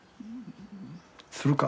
するか。